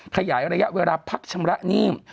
ขยายระยะเวลาพักชำระหนี้